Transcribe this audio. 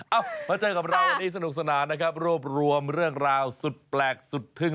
มาเจอกับเราวันนี้สนุกสนานนะครับรวบรวมเรื่องราวสุดแปลกสุดทึ่ง